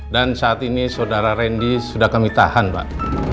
dan saat ini saudara randy sudah kami tahan pak